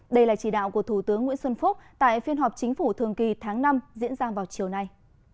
đây là chỉ đạo của thủ tướng nguyễn xuân phúc tại phiên họp chính phủ thường kỳ tháng năm diễn ra vào chiều nay